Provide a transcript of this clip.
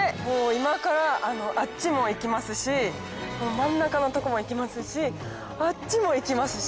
今からあっちも行きますし真ん中の所も行きますしあっちも行きますし。